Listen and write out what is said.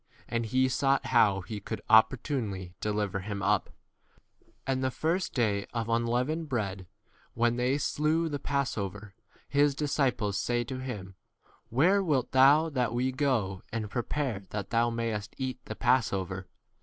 And he sought how he could opportunely deliver him up. 12 And the first day of unleavened bread, when they slew the pass over, his disciples say to him, Where wilt thou that we go and prepare that thou mayest eat the 13 pass over